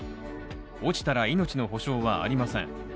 落ちたら命の保証はありません。